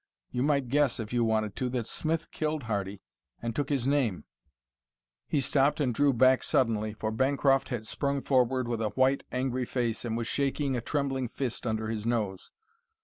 You might guess, if you wanted to, that Smith killed Hardy and took his name " He stopped and drew back suddenly, for Bancroft had sprung forward with a white, angry face and was shaking a trembling fist under his nose.